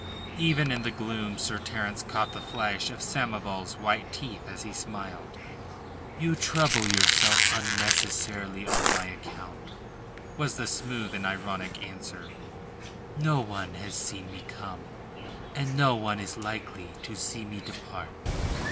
Even in the gloom Sir Terence caught the flash of Samoval's white teeth as he smiled. "You trouble yourself unnecessarily on my account," was the smoothly ironic answer. "No one has seen me come, and no one is likely to see me depart."